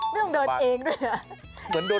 ไม่ต้องเดินเองด้วย